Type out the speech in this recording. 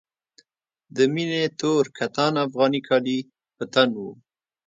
د مينې تور کتان افغاني کالي په تن وو.